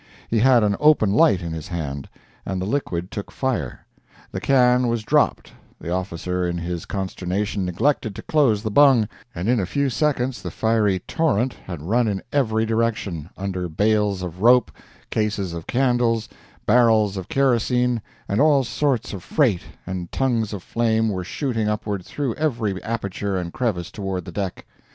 He had an "open light" in his hand, and the liquid took fire; the can was dropped, the officer in his consternation neglected to close the bung, and in a few seconds the fiery torrent had run in every direction, under bales of rope, cases of candles, barrels of kerosene, and all sorts of freight, and tongues of flame were shooting upward through every aperture and crevice toward the deck.